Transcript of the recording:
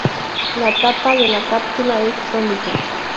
La tapa de la cápsula es cónica.